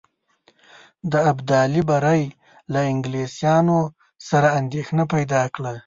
د ابدالي بری له انګلیسیانو سره اندېښنه پیدا کړه.